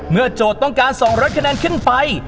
เมื่อโจ๊ตต้องการ๒๐๐คะแนนขึ้นไป